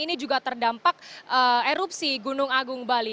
ini juga terdampak erupsi gunung agung bali